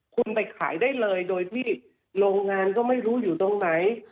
คุณไปขายได้เลยโดยที่โรงงานก็ไม่รู้อยู่ตรงไหน